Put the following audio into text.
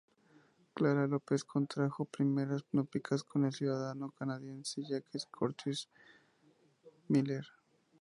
Clara López contrajo primeras nupcias con el ciudadano canadiense Jacques Courtois Miller.